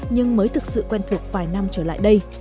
nhưng mới thực sự quen thuộc vài năm trở lại đây